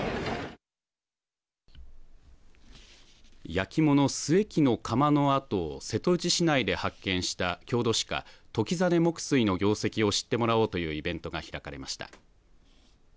焼き物須恵器の窯の跡を瀬戸内市内で発見した郷土史家時實黙水の業績を知ってもらおうというイベントが開かれました。